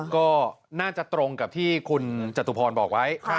ก็น่าจะตรงกับที่คุณจตุพรบอกไว้